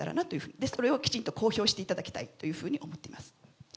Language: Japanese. で、それをきちんと公表していただきたいというふうに思っています。